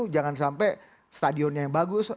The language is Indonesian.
jangan sampai stadionnya yang bagus